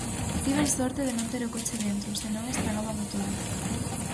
Tiven sorte de non ter o coche dentro, se non estragábamo todo.